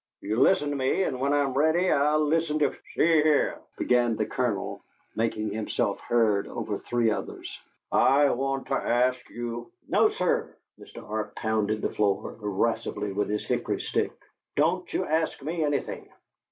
You listen to me, and when I'm ready I'll listen to " "See here," began the Colonel, making himself heard over three others, "I want to ask you " "No, sir!" Mr. Arp pounded the floor irascibly with his hickory stick. "Don't you ask me anything!